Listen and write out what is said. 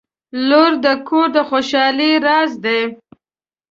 • لور د کور د خوشحالۍ راز دی.